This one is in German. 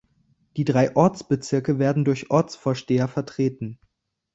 Die drei Ortsbezirke werden durch Ortsvorsteher vertreten.